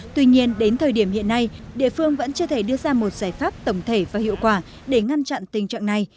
tuy nhiên đến thời điểm hiện nay địa phương vẫn chưa thể đưa ra một giải pháp tổng thể và hiệu quả để ngăn chặn tình trạng này